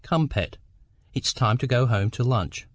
—Come, Pet: it's time to go home to lunch.